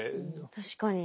確かに。